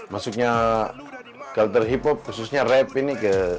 maksudnya kaliter hip hop khususnya rap ini